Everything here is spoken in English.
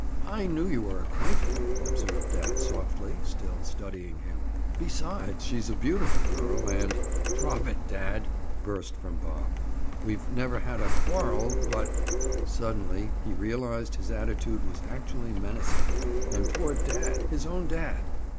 "I knew you were acquainted," observed dad softly, still studying him. "Besides she's a beautiful girl and—" "Drop it, dad!" burst from Bob. "We've never had a quarrel, but—" Suddenly he realized his attitude was actually menacing. And toward dad—his own dad!